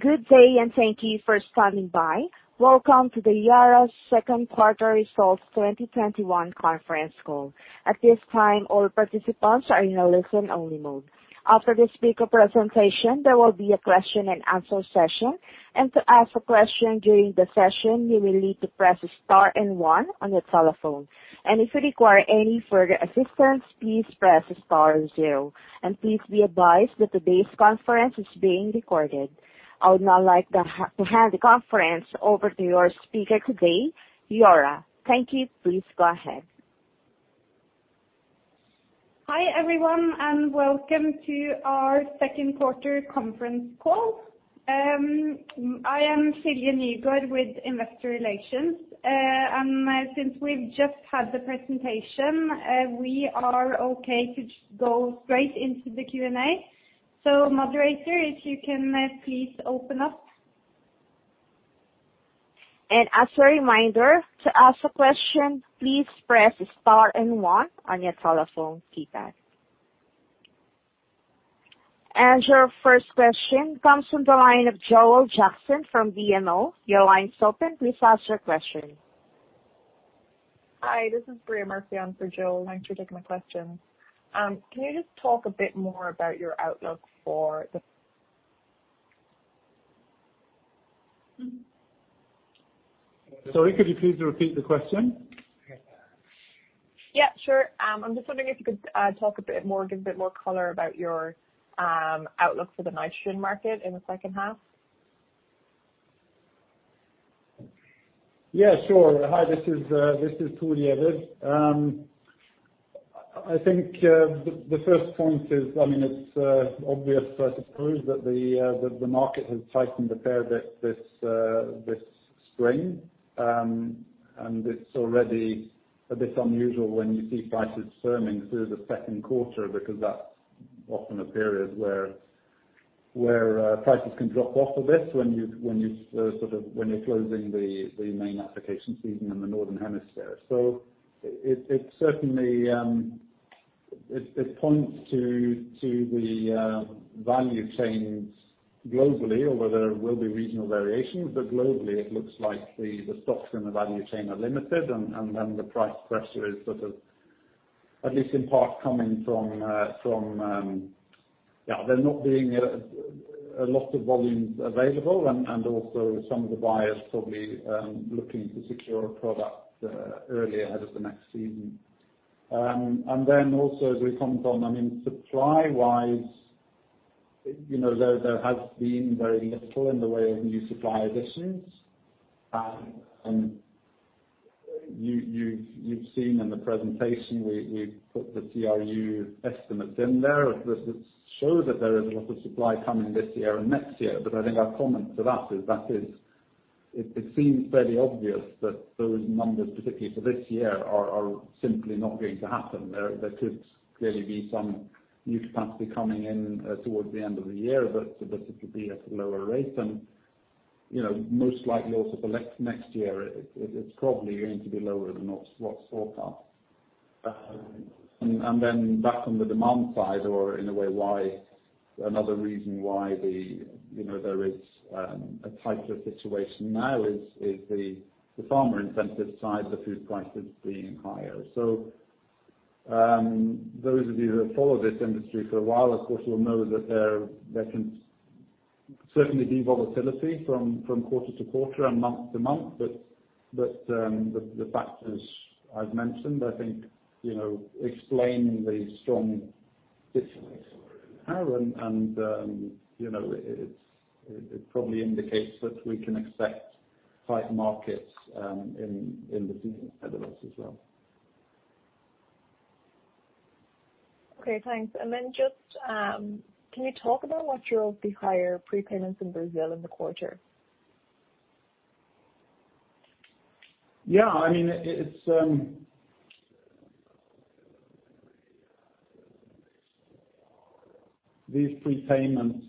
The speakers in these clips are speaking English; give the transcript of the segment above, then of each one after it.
Good day. Thank you for standing by. Welcome to the Yara Second Quarter Results 2021 Conference Call. At this time, all participants are in a listen-only mode. After the speaker presentation, there will be a question and answer session. To ask a question during the session, you will need to press star and one on your telephone. If you require any further assistance, please press star and zero. Please be advised that today's conference is being recorded. I will now like to hand the conference over to your speaker today, Nygaard. Thank you. Please go ahead. Hi, everyone, welcome to our second quarter conference call. I am Silje Nygaard with Investor Relations. Since we've just had the presentation, we are okay to go straight into the Q&A. Moderator, if you can please open up. As a reminder, to ask a question, please press star and one on your telephone keypad. Your first question comes from the line of Joel Jackson from BMO. Your line's open. Please ask your question. Hi, this is Bria Murphy for Joel. Thanks for taking my question. Can you just talk a bit more about your outlook for the Sorry, could you please repeat the question? Yeah, sure. I'm just wondering if you could talk a bit more, give a bit more color about your outlook for the nitrogen market in the second half? Yeah, sure. Hi, this is Thor Giæver. I think the first point is, it's obvious, I suppose, that the market has tightened a fair bit this spring. It's already a bit unusual when you see prices firming through the second quarter because that's often a period where prices can drop off a bit when you're closing the main application season in the Northern Hemisphere. It points to the value chains globally, although there will be regional variations, but globally it looks like the stocks in the value chain are limited and then the price pressure is at least in part coming from there not being a lot of volumes available and also some of the buyers probably looking to secure a product early ahead of the next season. As we commented on, supply-wise, there has been very little in the way of new supply additions. You've seen in the presentation, we put the CRU estimates in there that show that there is a lot of supply coming this year and next year. I think our comment to that is it seems fairly obvious that those numbers, particularly for this year, are simply not going to happen. There could clearly be some new capacity coming in towards the end of the year, but it could be at a lower rate than most likely also for next year. It's probably going to be lower than what's thought of. Then back on the demand side or in a way, another reason why there is a tighter situation now is the farmer incentive side, the food prices being higher. Those of you that have followed this industry for a while, of course, you'll know that there can certainly be volatility from quarter-to-quarter and month-to-month, but the factors I've mentioned, I think, explain the strong discipline. It probably indicates that we can expect tight markets in the season ahead of us as well. Okay, thanks. Just can you talk about what drove the higher prepayments in Brazil in the quarter? These prepayments,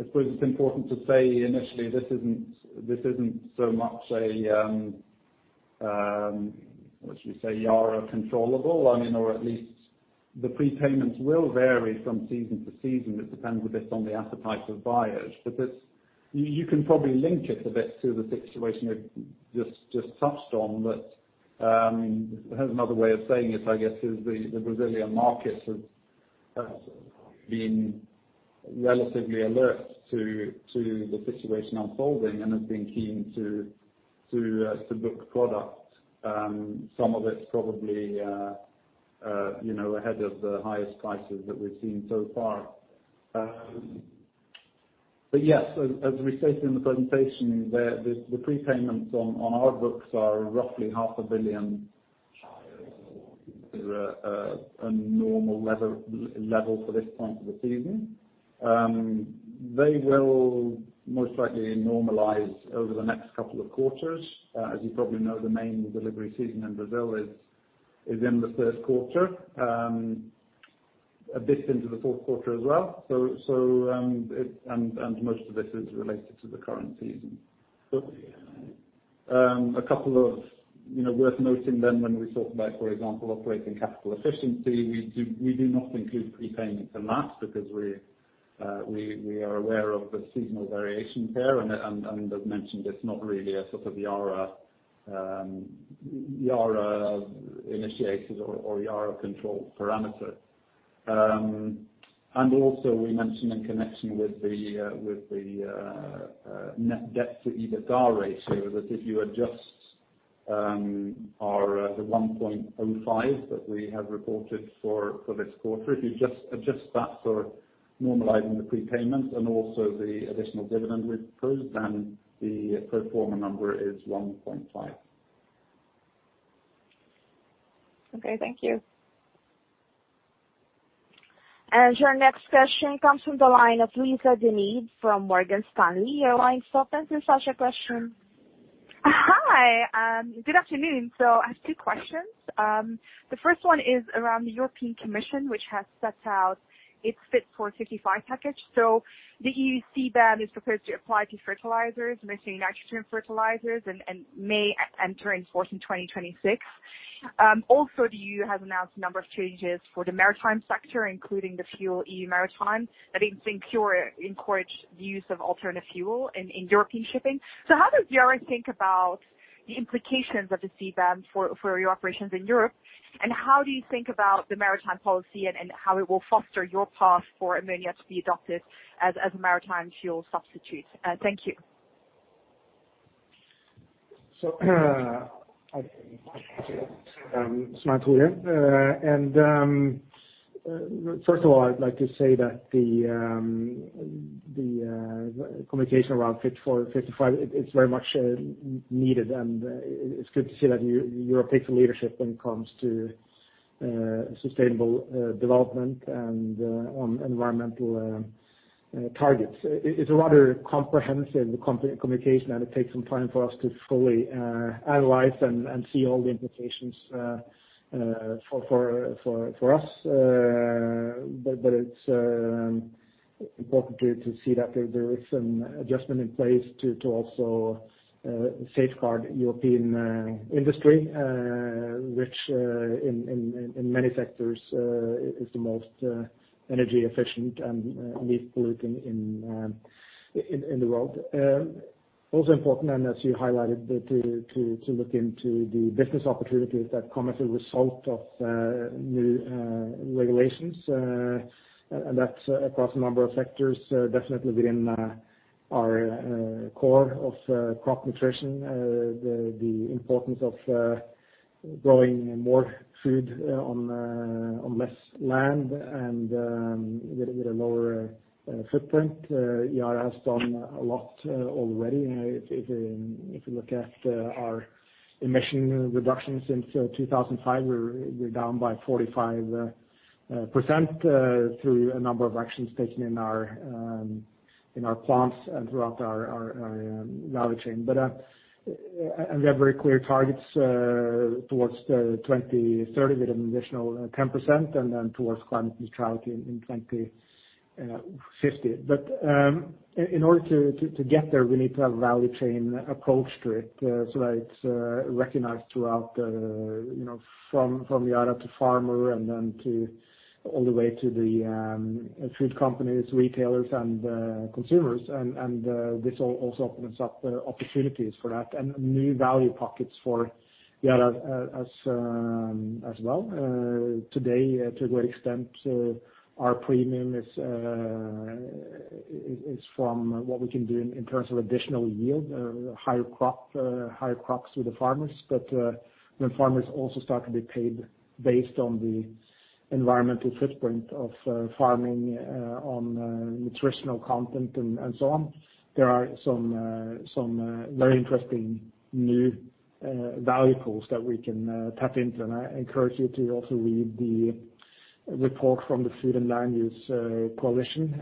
I suppose it's important to say initially this isn't so much a, let's just say Yara controllable, or at least the prepayments will vary from season to season. It depends a bit on the appetite of buyers. You can probably link it a bit to the situation we've just touched on that, perhaps another way of saying this, I guess, is the Brazilian market has been relatively alert to the situation unfolding and has been keen to book product. Some of it's probably ahead of the highest prices that we've seen so far. Yes, as we stated in the presentation there, the prepayments on our books are roughly 0.5 Billion, a normal level for this point of the season. They will most likely normalize over the next couple of quarters. As you probably know, the main delivery season in Brazil is in the first quarter, a bit into the fourth quarter as well, and most of this is related to the current season. A couple of worth noting then when we talk about, for example, operating capital efficiency, we do not include prepayment in that because we are aware of the seasonal variation there, and as mentioned, it's not really a sort of Yara-initiated or Yara-controlled parameter. Also we mentioned in connection with the net debt to EBITDA ratio, that if you adjust the 1.05 that we have reported for this quarter, if you adjust that for normalizing the prepayment and also the additional dividend we proposed, then the pro forma number is 1.5. Okay, thank you. Your next question comes from the line of Lisa De Neve from Morgan Stanley. Your line is open please ask your questions. Hi. Good afternoon. I have two questions. The first one is around the European Commission, which has set out its Fit for 55 package. The EU CBAM is proposed to apply to fertilizers, mostly nitrogen fertilizers, and may enter in force in 2026. Also, the EU has announced a number of changes for the maritime sector, including the FuelEU Maritime that is to encourage the use of alternative fuel in European shipping. How does Yara think about the implications of the CBAM for your operations in Europe, and how do you think about the maritime policy and how it will foster your path for ammonia to be adopted as a maritime fuel substitute? Thank you. I'll take it. Svein Tore. First of all, I'd like to say that the communication around Fit for 55, it's very much needed, and it's good to see that Europe takes the leadership when it comes to sustainable development and on environmental targets. It's a rather comprehensive communication, and it takes some time for us to fully analyze and see all the implications for us. It's important to see that there is an adjustment in place to also safeguard European industry, which, in many sectors, is the most energy efficient and least polluting in the world. Also important, and as you highlighted, to look into the business opportunities that come as a result of new regulations, and that's across a number of sectors, definitely within our core of crop nutrition, the importance of growing more food on less land and with a lower footprint. Yara has done a lot already. If you look at our emission reduction since 2005, we're down by 45% through a number of actions taken in our plants and throughout our value chain. We have very clear targets towards 2030 with an additional 10% and then towards climate neutrality in 2050. In order to get there, we need to have a value chain approach to it so that it's recognized throughout from Yara to farmer and then all the way to the food companies, retailers, and consumers. This also opens up opportunities for that and new value pockets for Yara as well. Today, to a great extent, our premium is from what we can do in terms of additional yield, higher crops to the farmers. When farmers also start to be paid based on the environmental footprint of farming on nutritional content and so on, there are some very interesting new value pools that we can tap into. I encourage you to also read the report from the Food and Land Use Coalition,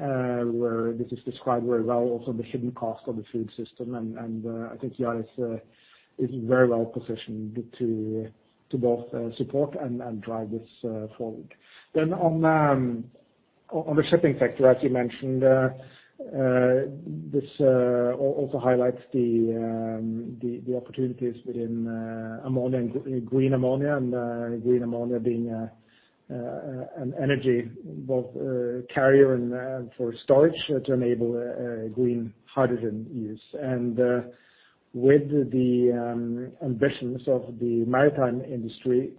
where this is described very well, also the hidden cost of the food system. I think Yara is very well positioned to both support and drive this forward. On the shipping sector, as you mentioned, this also highlights the opportunities within green ammonia and green ammonia being an energy both carrier and for storage to enable green hydrogen use. With the ambitions of the maritime industry,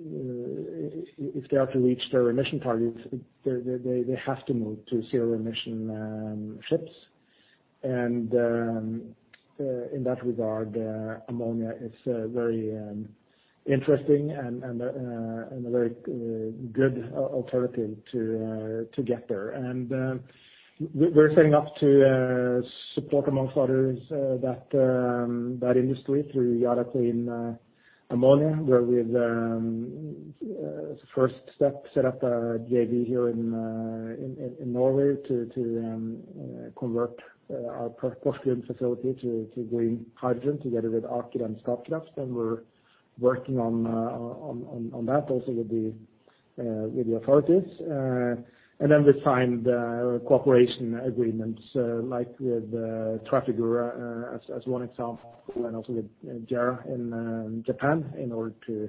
if they are to reach their emission targets, they have to move to zero emission ships. In that regard, ammonia is very interesting and a very good alternative to get there. We're setting up to support, amongst others, that industry through Yara Clean Ammonia, where we have first step set up a JV here in Norway to convert our port facility to green hydrogen together with Aker and Statkraft. We're working on that also with the authorities. Then we signed cooperation agreements, like with Trafigura as one example, and also with Yara in Japan in order to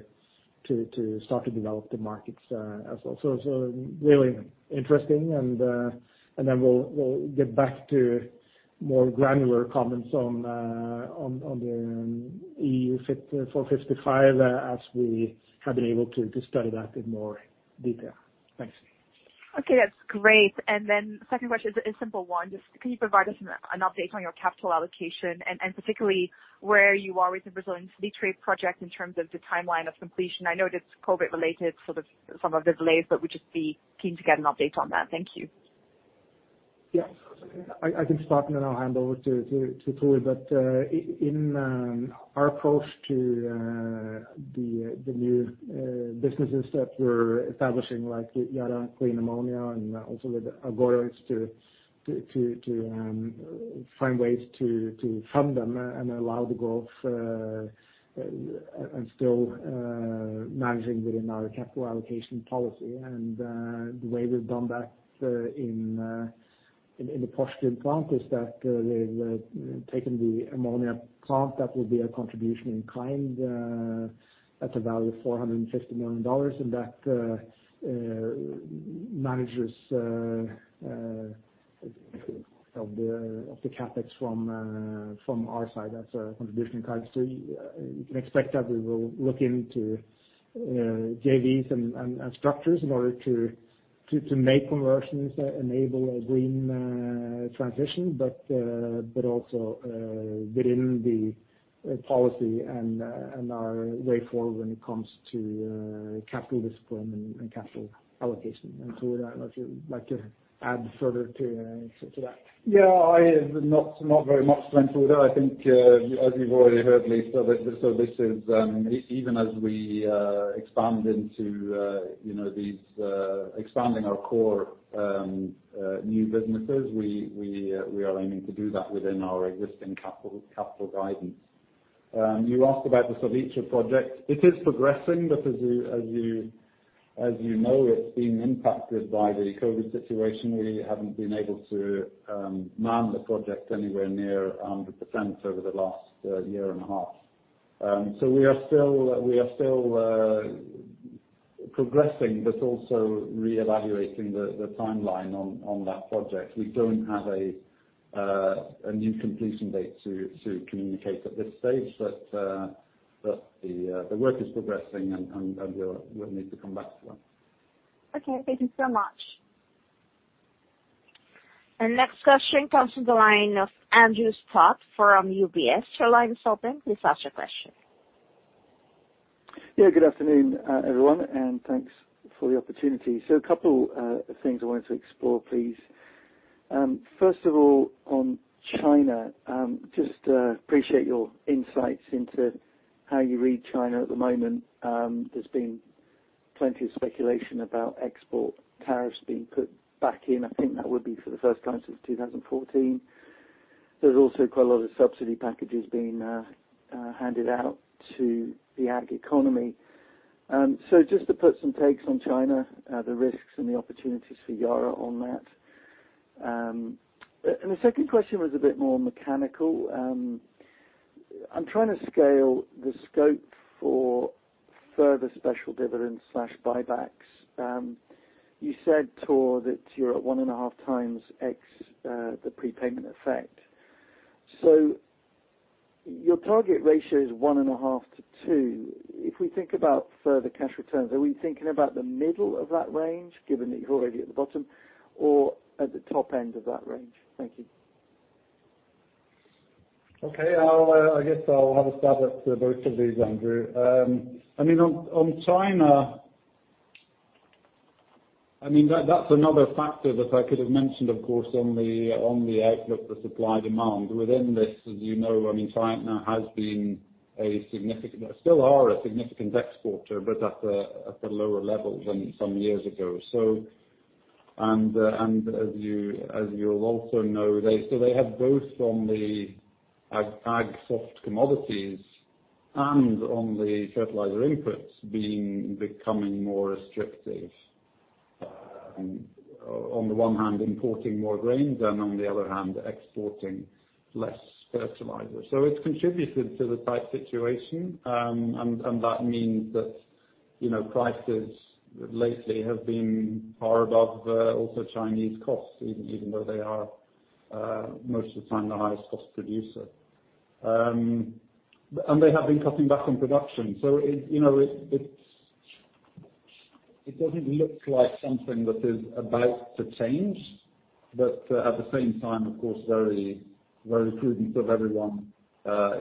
start to develop the markets as well. Really interesting, then we'll get back to more granular comments on the EU Fit for 55 as we have been able to study that in more detail. Thanks. Okay. That's great. Second question is a simple one. Just could you provide us an update on your capital allocation and particularly where you are with the Brazilian Salitre project in terms of the timeline of completion? I know that's COVID related, some of the delays, would just be keen to get an update on that. Thank you. Yes. I can start and then I'll hand over to Thor. In our approach to the new businesses that we're establishing, like with Yara Clean Ammonia, and also with Agoro to find ways to fund them and allow the growth, and still managing within our capital allocation policy. The way we've done that in the Porsgrunn plant is that we've taken the ammonia plant that will be a contribution in kind at a value of $450 million, and that manages off the CapEx from our side as a contribution in kind. You can expect that we will look into JVs and structures in order to make conversions that enable a green transition, but also within the policy and our way forward when it comes to capital discipline and capital allocation. Thor, I don't know if you'd like to add further to that. Not very much to add, I think as you've already heard, Lisa, even as we expand into expanding our core new businesses, we are aiming to do that within our existing capital guidance. You asked about the Salitre project. It is progressing, but as you know, it's been impacted by the COVID situation. We haven't been able to man the project anywhere near 100% over the last year and a half. We are still progressing, but also reevaluating the timeline on that project. We don't have a new completion date to communicate at this stage, but the work is progressing, and we'll need to come back to that. Okay. Thank you so much. Next question comes from the line of Andrew Stott from UBS. Your line is open. Please ask your question. Good afternoon everyone, and thanks for the opportunity. A couple things I wanted to explore, please. First of all, on China, just appreciate your insights into how you read China at the moment. There has been plenty of speculation about export tariffs being put back in. I think that would be for the first time since 2014. There's also quite a lot of subsidy packages being handed out to the ag economy. Just to put some takes on China, the risks and the opportunities for Yara on that. The second question was a bit more mechanical. I'm trying to scale the scope for further special dividends/buybacks. You said, Thor, that you are at 1.5 times X the prepayment effect. Your target ratio is 1.5-2. If we think about further cash returns, are we thinking about the middle of that range, given that you're already at the bottom, or at the top end of that range? Thank you. Okay. I guess I'll have a stab at both of these, Andrew. On China, that's another factor that I could have mentioned, of course, on the outlook for supply demand within this. As you know, China has been a significant, still are a significant exporter, but at a lower level than some years ago. As you'll also know, they have both from the ag soft commodities and on the fertilizer inputs becoming more restrictive. On the one hand, importing more grains, and on the other hand, exporting less fertilizer. It's contributed to the tight situation. That means that prices lately have been far above also Chinese costs, even though they are most of the time the highest cost producer. They have been cutting back on production. It doesn't look like something that is about to change. At the same time, of course, very prudent of everyone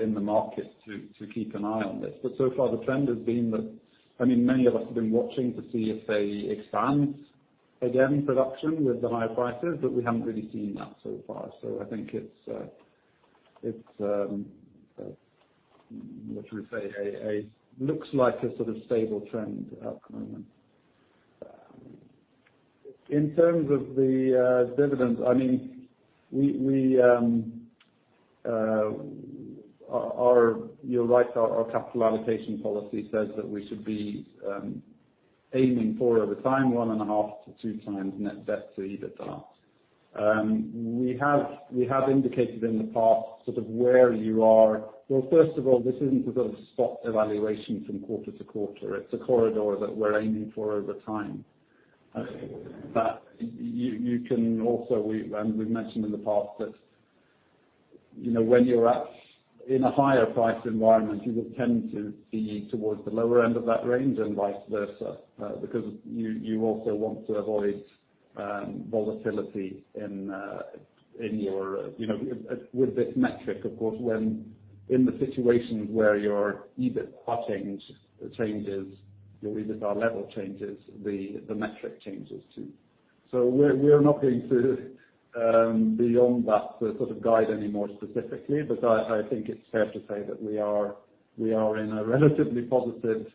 in the market to keep an eye on this. So far the trend has been that many of us have been watching to see if they expand again production with the higher prices, but we haven't really seen that so far. I think it looks like a sort of stable trend at the moment. In terms of the dividends, you're right, our capital allocation policy says that we should be aiming for, over time, 1.5-2 times net debt to EBITDA. We have indicated in the past sort of where you are. Well, first of all, this isn't a sort of spot evaluation from quarter-to-quarter. It's a corridor that we're aiming for over time. We've mentioned in the past that when you're in a higher price environment, you would tend to be towards the lower end of that range and vice versa, because you also want to avoid volatility with this metric. Of course, when in the situations where your EBIT changes, your EBIT level changes, the metric changes too. We are not going to beyond that sort of guide anymore specifically. I think it's fair to say that we are in a relatively positive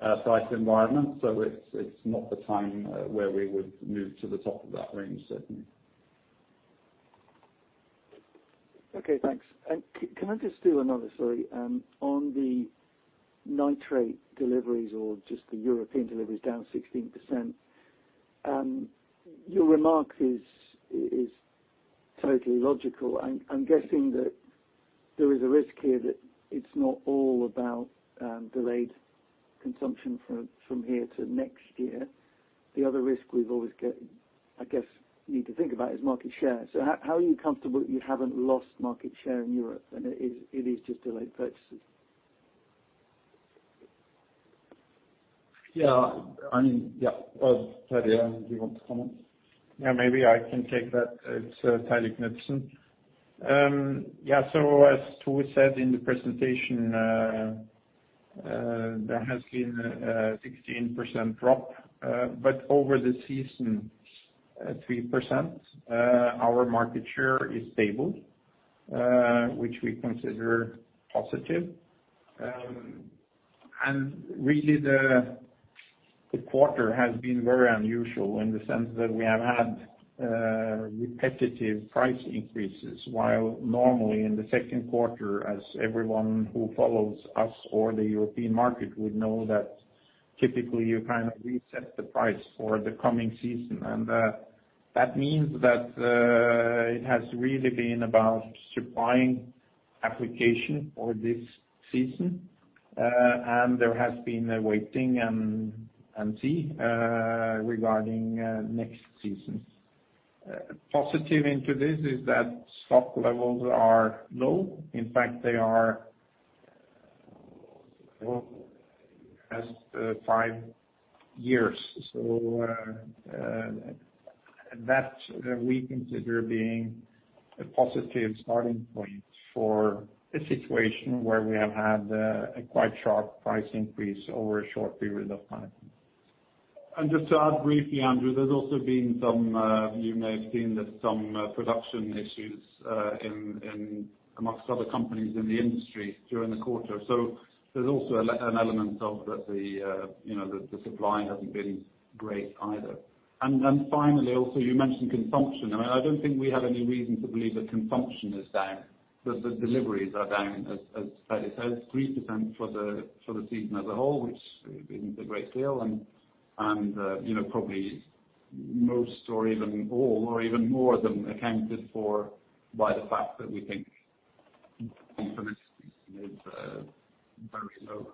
price environment, so it's not the time where we would move to the top of that range, certainly. Okay, thanks. Can I just do another, sorry. On the nitrate deliveries or just the European deliveries down 16%, your remark is totally logical. I am guessing that there is a risk here that it is not all about delayed consumption from here to next year. The other risk we always, I guess, need to think about is market share. How are you comfortable that you haven't lost market share in Europe, and it is just delayed purchases? Yeah. Well, Terje, do you want to comment? Yeah, maybe I can take that. It's Terje Nielsen. Yeah, as Thor said in the presentation, there has been a 16% drop. Over the season, at 3%, our market share is stable, which we consider positive. Really, the quarter has been very unusual in the sense that we have had repetitive price increases, while normally in the second quarter, as everyone who follows us or the European market would know that typically you kind of reset the price for the coming season. That means that it has really been about supplying application for this season. There has been a wait and see regarding next season. Positive into this is that stock levels are low. In fact, they are low as five years. That we consider being a positive starting point for a situation where we have had a quite sharp price increase over a short period of time. Just to add briefly, Andrew, you may have seen that some production issues amongst other companies in the industry during the quarter. There's also an element of the supply hasn't been great either. Finally, also, you mentioned consumption. I mean, I don't think we have any reason to believe that consumption is down, but the deliveries are down, as Terje said, 3% for the season as a whole, which isn't a great deal. Probably most or even all, or even more of them accounted for by the fact that we think is very low.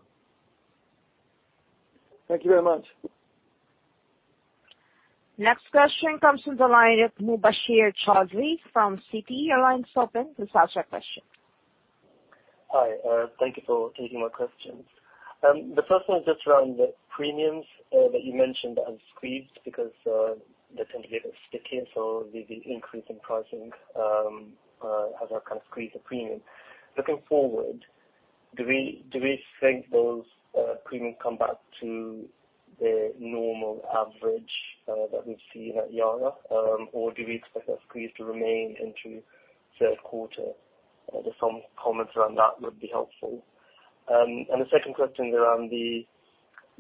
Thank you very much. Next question comes from the line of Mubasher Chaudhry from Citi. Your line is open to ask your question. Hi. Thank you for taking my questions. The first one is just around the premiums that you mentioned that have squeezed because they tend to get a bit sticky, so the increase in pricing has that kind of squeezed the premium. Looking forward, do we think those premiums come back to the normal average that we see at Yara, or do we expect that squeeze to remain into third quarter? Just some comments around that would be helpful. The second question is around the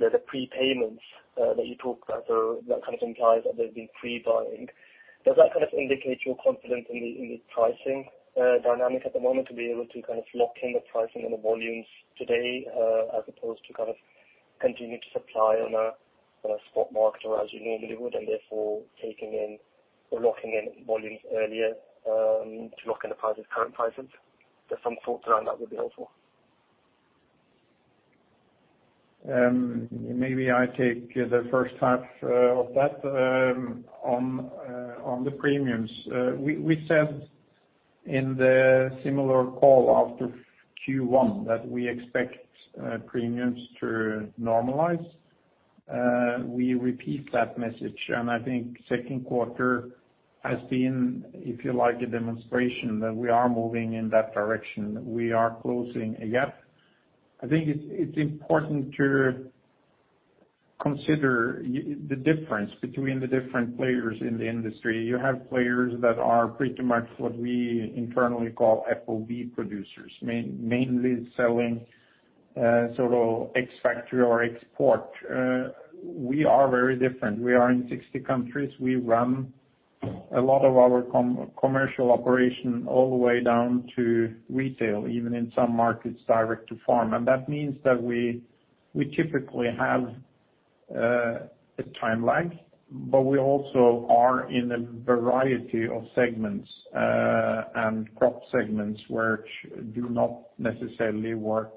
prepayments that you talked about, or that kind of implies that there's been pre-buying. Does that kind of indicate your confidence in the pricing dynamic at the moment, to be able to lock in the pricing and the volumes today, as opposed to continue to supply on a spot market or as you normally would, and therefore taking in or locking in volumes earlier to lock in the current prices? Just some thoughts around that would be helpful. Maybe I take the first half of that on the premiums. We said in the similar call after Q1 that we expect premiums to normalize. We repeat that message. I think second quarter has been, if you like, a demonstration that we are moving in that direction. We are closing a gap. I think it's important to consider the difference between the different players in the industry. You have players that are pretty much what we internally call FOB producers, mainly selling Ex-factory or export. We are very different. We are in 60 countries. We run a lot of our commercial operation all the way down to retail, even in some markets, direct to farm. That means that we typically have a time lag, but we also are in a variety of segments and crop segments which do not necessarily work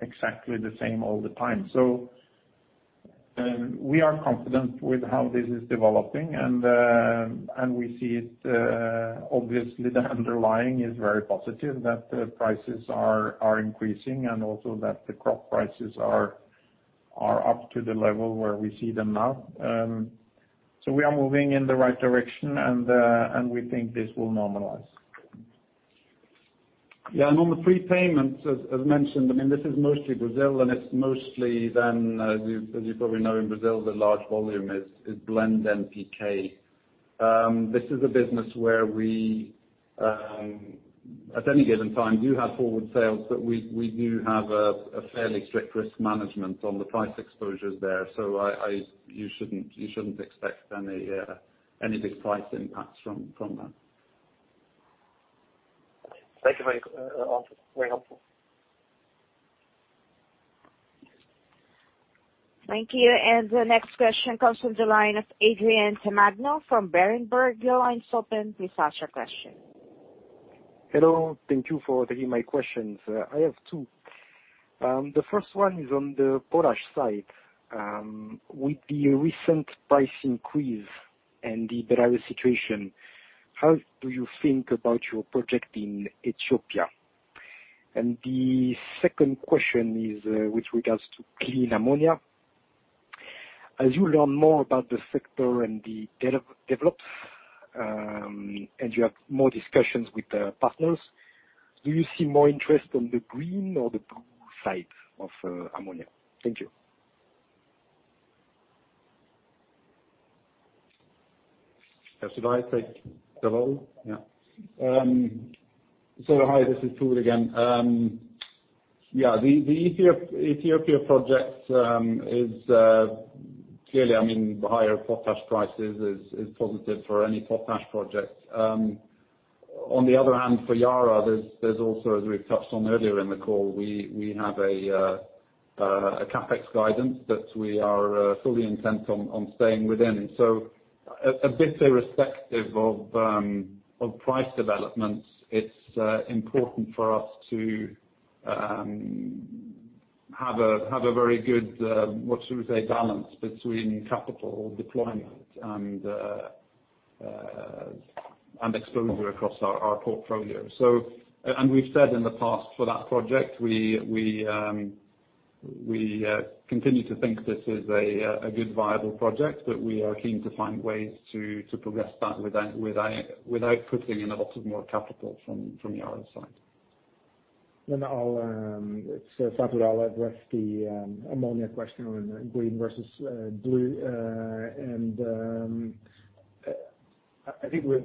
exactly the same all the time. We are confident with how this is developing. We see it, obviously, the underlying is very positive, that the prices are increasing, and also that the crop prices are up to the level where we see them now. We are moving in the right direction, and we think this will normalize. Yeah. On the prepayments, as mentioned, this is mostly Brazil, and it's mostly then, as you probably know, in Brazil, the large volume is Blend NPK. This is a business where we, at any given time, do have forward sales, but we do have a fairly strict risk management on the price exposures there. You shouldn't expect any big price impacts from that. Thank you. Very helpful. Thank you. The next question comes from the line of Adrien Tamagno from Berenberg. Your line's open. Please ask your question. Hello. Thank you for taking my questions. I have two. The first one is on the potash side. With the recent price increase and the broader situation, how do you think about your project in Ethiopia? The second question is with regards to clean ammonia. As you learn more about the sector and it develops, and you have more discussions with the partners, do you see more interest on the green or the blue side of ammonia? Thank you. Should I take the role? Yeah. Hi, this is Thor again. Yeah, the Ethiopia project is clearly, the higher potash prices is positive for any potash project. On the other hand, for Yara, there's also, as we've touched on earlier in the call, we have a CapEx guidance that we are fully intent on staying within. A bit irrespective of price developments, it's important for us to have a very good, what should we say, balance between capital deployment and exposure across our portfolio. We've said in the past, for that project, we continue to think this is a good viable project, but we are keen to find ways to progress that without putting in a lot of more capital from Yara's side. I'll address the ammonia question on green versus blue. I think with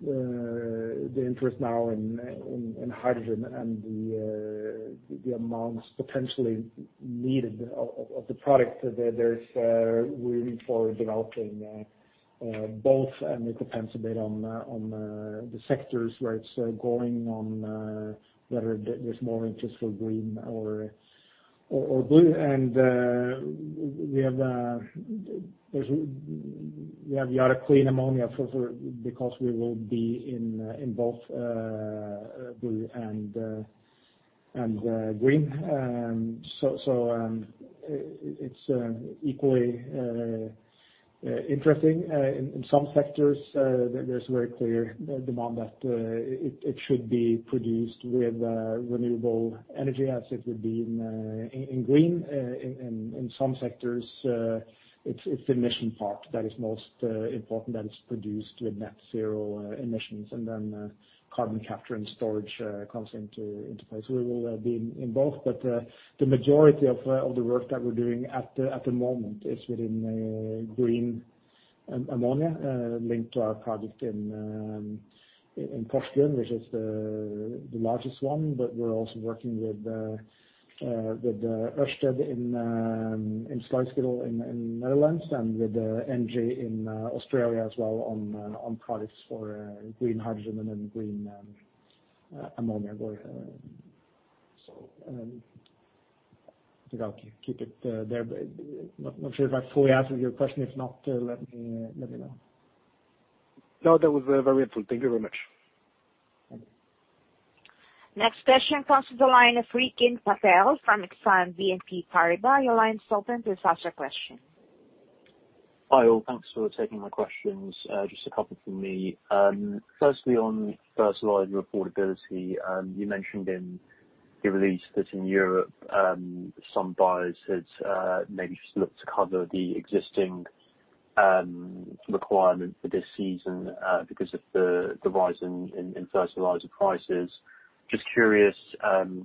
the interest now in hydrogen and the amounts potentially needed of the product, that there's room for developing both. It depends a bit on the sectors where it's going on, whether there's more interest for green or blue. We have Yara Clean Ammonia for because we will be in both blue and green. It's equally interesting. In some sectors, there's very clear demand that it should be produced with renewable energy assets within, in green. In some sectors, it's emission part that is most important, that it's produced with net zero emissions. Carbon capture and storage comes into place. We will be involved, but the majority of the work that we're doing at the moment is within green ammonia, linked to our project in Portugal, which is the largest one. We're also working with Ørsted in Sluiskil in Netherlands, and with ENGIE in Australia as well on products for green hydrogen and green ammonia. I think I'll keep it there. Not sure if I fully answered your question? If not, let me know. No, that was very helpful. Thank you very much. Okay. Next question comes to the line of Rikin Patel from Exane BNP Paribas. Your line's open to ask your question. Hi, all. Thanks for taking my questions. Just a couple from me. Firstly, on fertilizer affordability. You mentioned in your release that in Europe some buyers had maybe just looked to cover the existing requirement for this season because of the rise in fertilizer prices. Just curious,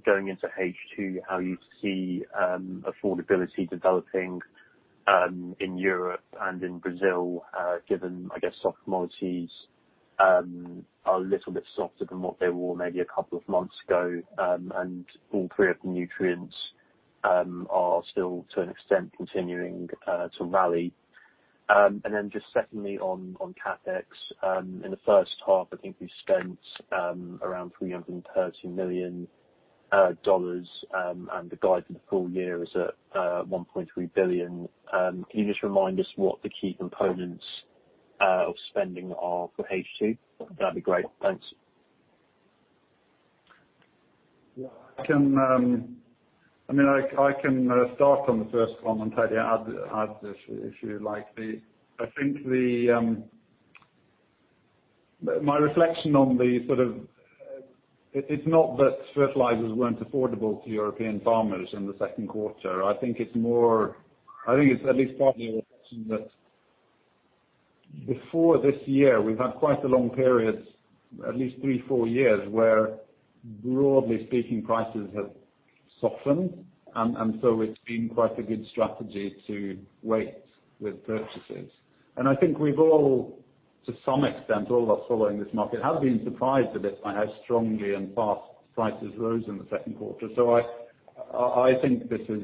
going into H2, how you see affordability developing in Europe and in Brazil, given, I guess, commodities are a little bit softer than what they were maybe a couple of months ago. All three of the nutrients are still, to an extent, continuing to rally. Just secondly on CapEx. In the first half, I think we spent around $330 million, and the guide for the full year is at $1.3 billion. Can you just remind us what the key components of spending are for H2? That'd be great. Thanks. I can start on the first one and, Terje, add if you like. My reflection on the sort of It's not that fertilizers weren't affordable to European farmers in the second quarter. I think it's at least partly a reflection that before this year, we've had quite a long period, at least three, four years, where broadly speaking, prices have softened, and so it's been quite a good strategy to wait with purchases. I think we've all, to some extent, all of us following this market, have been surprised a bit by how strongly and fast prices rose in the second quarter. I think this is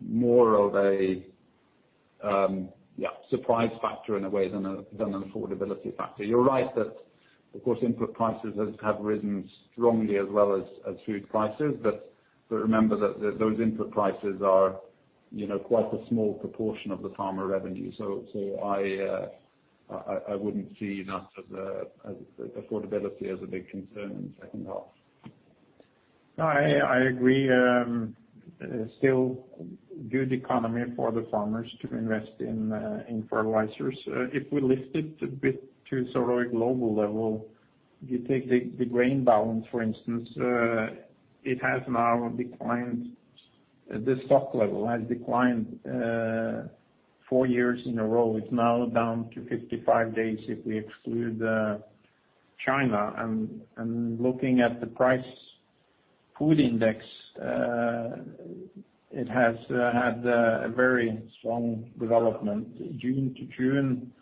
more of a surprise factor, in a way, than an affordability factor. You're right that, of course, input prices have risen strongly as well as food prices. Remember that those input prices are quite a small proportion of the farmer revenue. I wouldn't see that as affordability as a big concern in the second half. No, I agree. Still good economy for the farmers to invest in fertilizers. If we lift it a bit to sort of a global level, you take the grain balance, for instance, the stock level has declined four years in a row. It's now down to 55 days if we exclude China, and looking at the price food index, it has had a very strong development. June-to-June,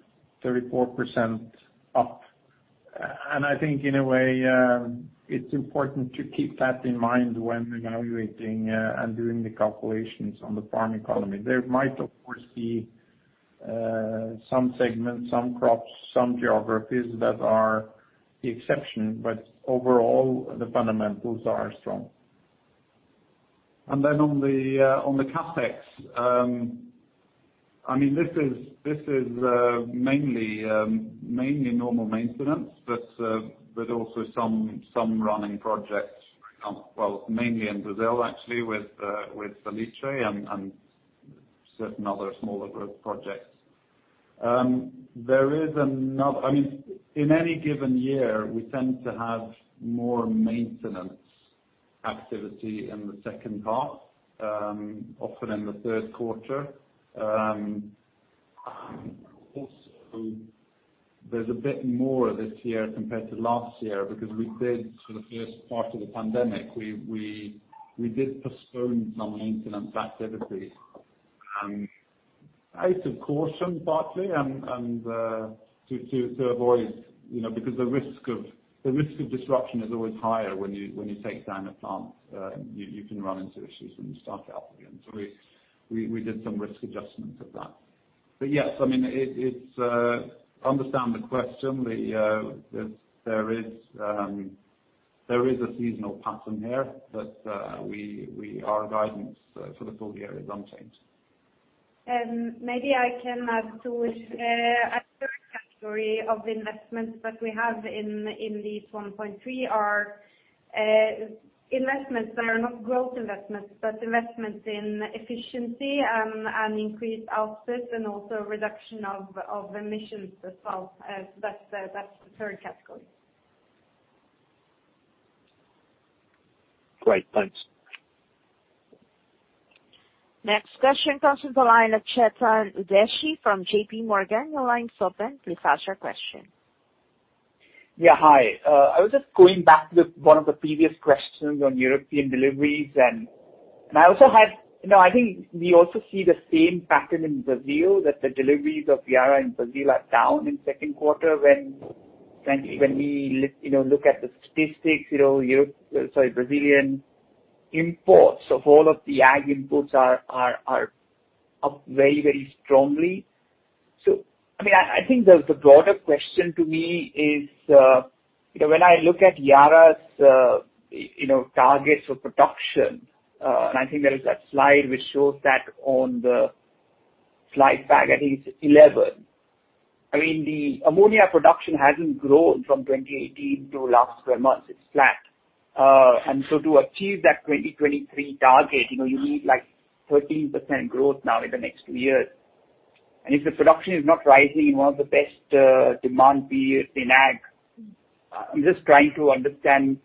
34% up. I think in a way, it's important to keep that in mind when evaluating and doing the calculations on the farm economy. There might, of course, be some segments, some crops, some geographies that are the exception, but overall, the fundamentals are strong. On the CapEx. This is mainly normal maintenance, but also some running projects, well, mainly in Brazil actually, with Felice and certain other smaller growth projects. In any given year, we tend to have more maintenance activity in the second half, often in the third quarter. There's a bit more this year compared to last year because we did for the first part of the pandemic, we did postpone some maintenance activities out of caution, partly, and to avoid because the risk of disruption is always higher when you take down a plant. You can run into issues when you start up again. We did some risk adjustments of that. Yes, I understand the question. There is a seasonal pattern here, but our guidance for the full year is unchanged. Maybe I can add to it. A third category of investments that we have in these $1.3 billion are investments that are not growth investments, but investments in efficiency and increased output and also reduction of emissions as well. That's the third category. Great. Thanks. Next question comes from the line of Chetan Udeshi from JPMorgan. Your line is open. Please ask your question. Yeah. Hi. I was just going back to one of the previous questions on European deliveries, and I think we also see the same pattern in Brazil, that the deliveries of Yara in Brazil are down in second quarter when we look at the statistics, Brazilian imports of all of the ag inputs are up very strongly. I think the broader question to me is, when I look at Yara's targets for production, and I think there is that slide which shows that on the slide back, I think it's 11. The ammonia production hasn't grown from 2018 to last 12 months. It's flat. To achieve that 2023 target, you need 13% growth now in the next two years. If the production is not rising in one of the best demand periods in ag, I'm just trying to understand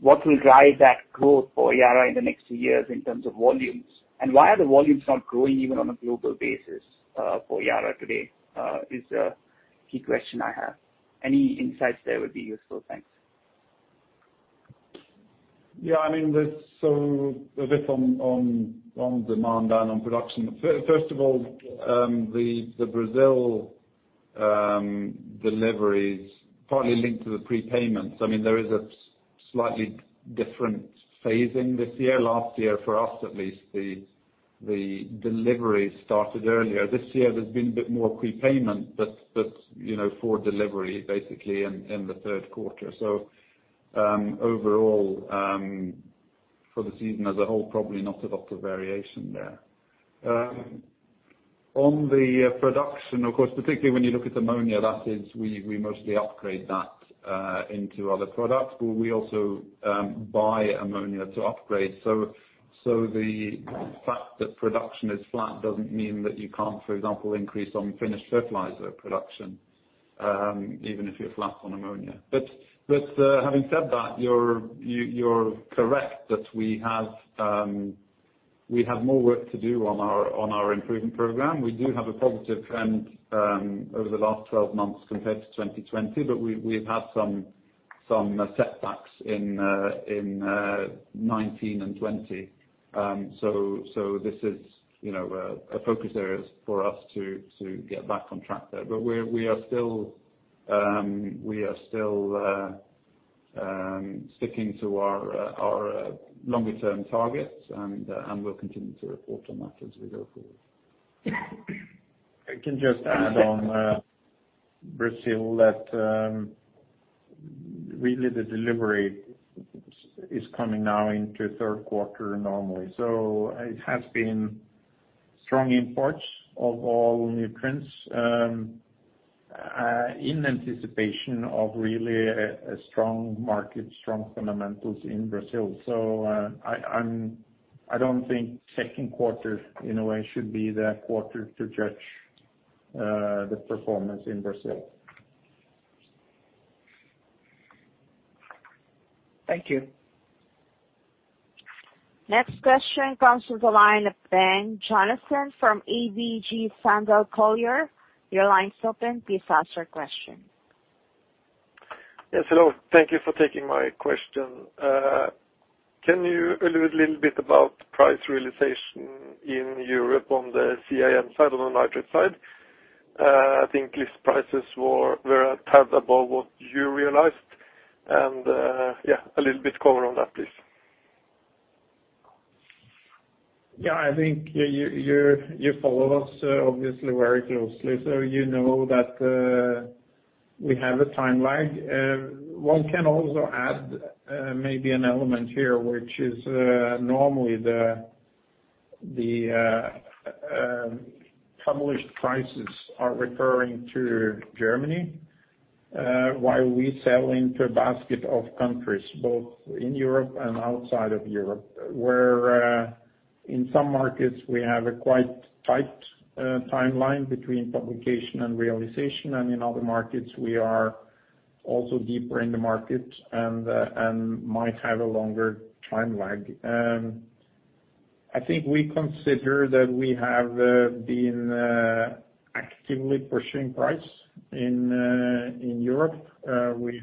what will drive that growth for Yara in the next two years in terms of volumes. Why are the volumes not growing even on a global basis for Yara today is a key question I have. Any insights there would be useful. Thanks. A bit on demand and on production. First of all, the Brazil deliveries partly linked to the prepayments. There is a slightly different phasing this year. Last year, for us at least, the deliveries started earlier. This year, there's been a bit more prepayment, but for delivery basically in the third quarter. Overall, for the season as a whole, probably not a lot of variation there. On the production, of course, particularly when you look at ammonia and acids, we mostly upgrade that into other products, but we also buy ammonia to upgrade. The fact that production is flat doesn't mean that you can't, for example, increase on finished fertilizer production, even if you're flat on ammonia. Having said that, you're correct that we have more work to do on our improvement program. We do have a positive trend over the last 12 months compared to 2020, but we've had some setbacks in 2019 and 2020. This is a focus area for us to get back on track there. We are still sticking to our longer term targets, and we'll continue to report on that as we go forward. I can just add on Brazil that really the delivery is coming now into third quarter normally. It has been strong imports of all nutrients in anticipation of really a strong market, strong fundamentals in Brazil. I don't think second quarter in a way should be the quarter to judge the performance in Brazil. Thank you. Next question comes from the line of Bengt Jonassen from ABG Sundal Collier. You line is open please ask your question. Yes, hello. Thank you for taking my question. Can you allude a little bit about price realization in Europe on the CAN side, on the nitric side? I think list prices were a tad above what you realized, yeah, a little bit cover on that, please. I think you follow us obviously very closely, so you know that we have a time lag. One can also add maybe an element here, which is normally the published prices are referring to Germany, while we sell into a basket of countries, both in Europe and outside of Europe. Where in some markets we have a quite tight timeline between publication and realization, and in other markets we are also deeper in the market and might have a longer time lag. I think we consider that we have been actively pursuing price in Europe. We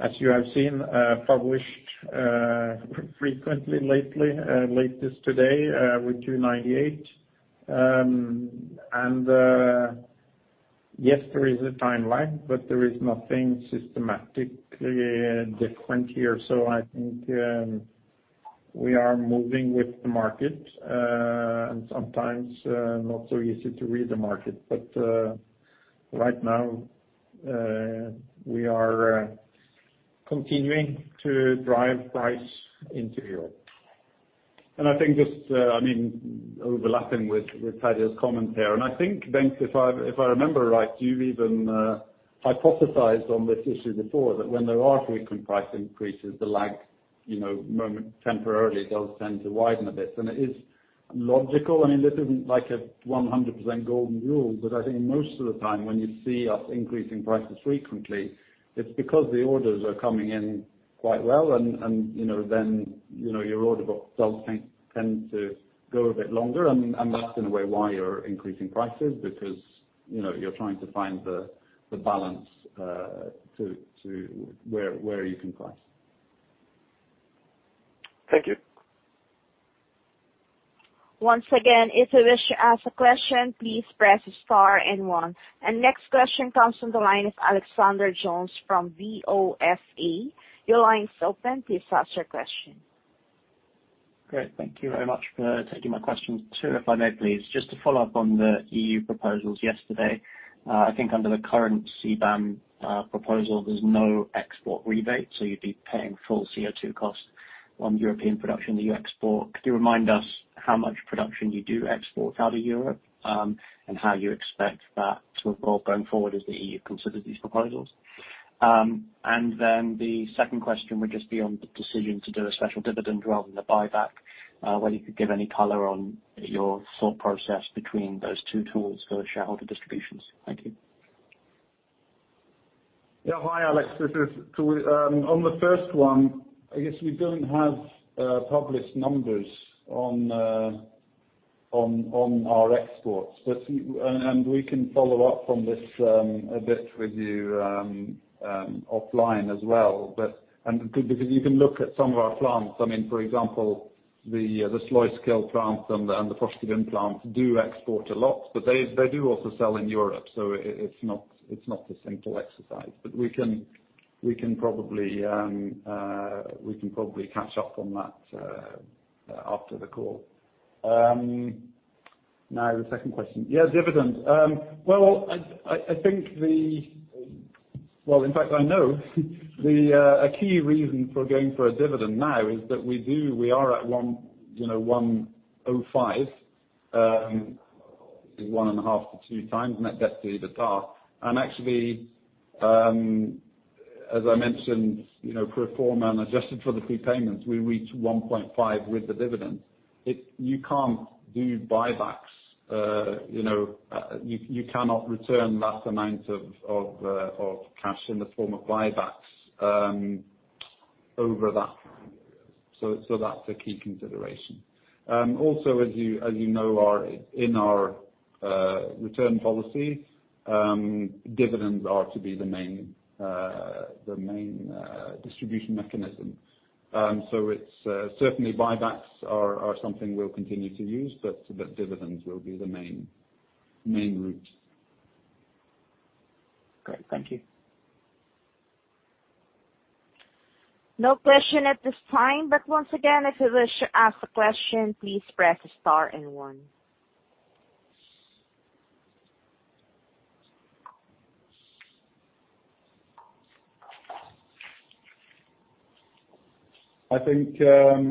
have, as you have seen, published frequently lately, latest today with 298. Yes, there is a time lag, but there is nothing systematically different here. I think we are moving with the market, and sometimes not so easy to read the market. Right now, we are continuing to drive price into Europe. I think just overlapping with Terje's comments here, and I think, Bengt, if I remember right, you've even hypothesized on this issue before, that when there are frequent price increases, the lag momentarily does tend to widen a bit. It is logical. This isn't like a 100% golden rule, but I think most of the time when you see us increasing prices frequently, it's because the orders are coming in quite well and then your order book does tend to go a bit longer. That's in a way why you're increasing prices, because you're trying to find the balance where you can price. Thank you. Once again, if you wish to ask a question, please press star and one. Next question comes from the line of Alexander Jones from BofA. Your line's open. Please ask your question. Great. Thank you very much for taking my questions. Two, if I may, please. Just to follow up on the EU proposals yesterday, I think under the current CBAM proposal, there's no export rebate, so you'd be paying full CO2 costs on European production that you export. Could you remind us how much production you do export out of Europe, and how you expect that to evolve going forward as the EU considers these proposals? Then the second question would just be on the decision to do a special dividend rather than a buyback, whether you could give any color on your thought process between those two tools for shareholder distributions. Thank you. Hi, Alex. On the first one, I guess we don't have published numbers on our exports. We can follow up on this a bit with you offline as well. You can look at some of our plants. For example, the Sluiskil plant and the Porsgrunn plant do export a lot, but they do also sell in Europe, so it's not a simple exercise. We can probably catch up on that after the call. The second question. Yes, dividends. In fact I know a key reason for going for a dividend now is that we are at 105, 1.5-2 times net debt to EBITDA. Actually, as I mentioned pro forma and adjusted for the prepayments, we reach 1.5 with the dividend. You can't do buybacks. You cannot return that amount of cash in the form of buybacks over that. That's a key consideration. Also, as you know, in our return policy, dividends are to be the main distribution mechanism. Certainly buybacks are something we'll continue to use, but dividends will be the main route. Great. Thank you. No question at this time, but once again, if you wish to ask a question, please press star and one. I think,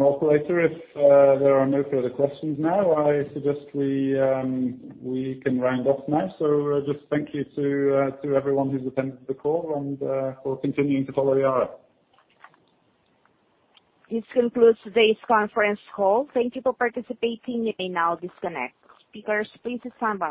operator, if there are no further questions now, I suggest we can round off now. Just thank you to everyone who's attended the call and for continuing to follow Yara. This concludes today's conference call. Thank you for participating. You may now disconnect. Speakers, please stand by.